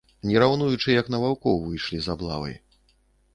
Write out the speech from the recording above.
Не раўнуючы, як на ваўкоў выйшлі з аблавай.